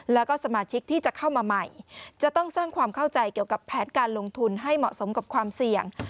แล้วก็สมาชิกที่จะเข้ามาใหม่จะต้องสร้างความเข้าใจเกี่ยวกับแผนการลงทุนให้เหมาะสมกับความเสี่ยง